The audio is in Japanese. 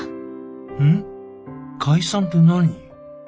ん？解散って何？